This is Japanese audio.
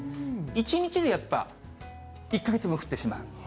１日でやっぱ、１か月分降ってしまう。